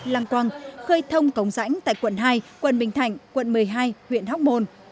lăng quang khơi thông cống rãnh tại quận hai quận bình thạnh quận một mươi hai huyện hóc môn